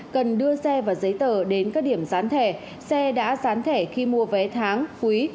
cần đưa xe và giấy tờ đến các điểm gián thẻ xe đã dán thẻ khi mua vé tháng quý